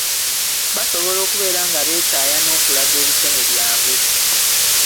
Basobola okubeera nga beetaaya n’okulaga ebitone byabwe.